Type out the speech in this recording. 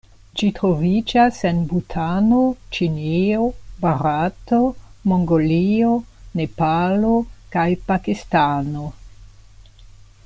Ĝi troviĝas en Butano, Ĉinio, Barato, Mongolio, Nepalo kaj Pakistano.